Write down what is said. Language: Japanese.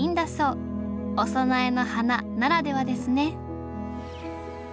お供えの花ならではですね